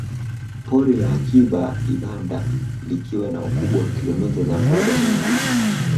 Pori la Akiba Ibanda likiwa na ukubwa wa kilomita za mraba mia mbili